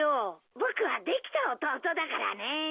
僕はできた弟だからね。